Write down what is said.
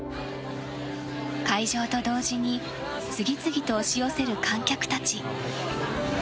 開場と同時に次々と押し寄せる観客たち。